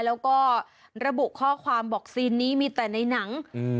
แล้วก็ระบุข้อความบอกซีนนี้มีแต่ในหนังอืม